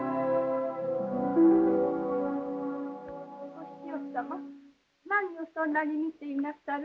お師匠様何をそんなに見ていなさる。